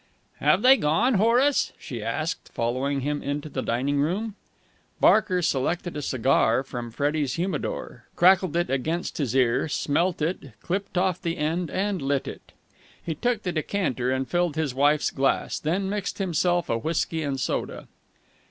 "Have they gone, Horace?" she asked, following him into the dining room. Barker selected a cigar from Freddie's humidor, crackled it against his ear, smelt it, clipped off the end, and lit it. He took the decanter and filled his wife's glass, then mixed himself a whisky and soda.